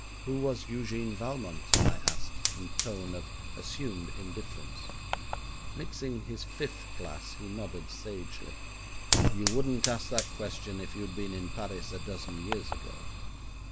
'Who was Eugène Valmont?' I asked, in a tone of assumed indifference. Mixing his fifth glass he nodded sagely. 'You wouldn't ask that question if you'd been in Paris a dozen years ago.